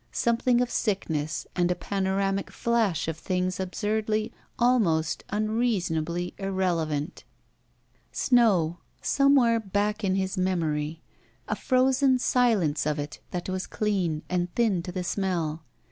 Something of sickness and a panoramic flash of things absurdly, almost unreasonably irrelevant. Snow, somewhere back in his memory. A frozen silence of it that was clean and thin to the smell.